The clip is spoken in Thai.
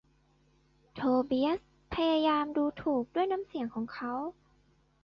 โทเบียสพยายามดูถูกด้วยน้ำเสียงของเขา